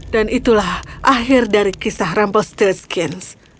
dan itulah akhir dari kisah rumpel silkskin